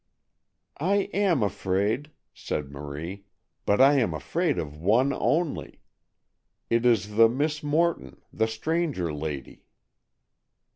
"I am afraid," said Marie, "but I am afraid of one only. It is the Miss Morton, the stranger lady."